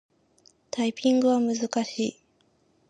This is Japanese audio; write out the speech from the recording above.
タイピングは難しい。